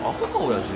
親父。